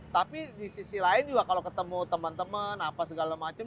tapi di sisi lain juga kalau ketemu temen temen apa segala macem